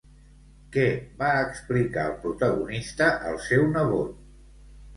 Què va explicar el protagonista al seu nebot?